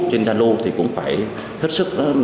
và cảnh giác đối với những việc đối tượng có thể nội dụng